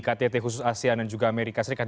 ktt khusus asean dan juga amerika serikat